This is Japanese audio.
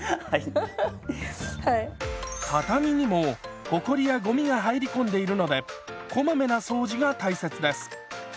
畳にもほこりやゴミが入り込んでいるのでこまめな掃除が大切です。